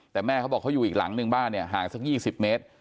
แต่แม่เขาบอกเขาอยู่อีกหลังนึงบ้านเนี่ยห่างสัก๒๐เมตร